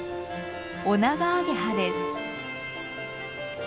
オナガアゲハです。